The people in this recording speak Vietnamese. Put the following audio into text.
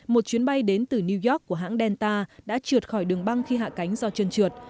một chuyến bay đến từ new york của hãng delta đã trượt khỏi đường băng khi hạ cánh do chân trượt